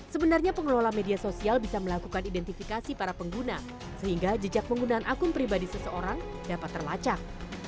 sebenarnya pengelola media sosial bisa melakukan identifikasi para pengguna sehingga jejak penggunaan akun pribadi seseorang dapat terlacak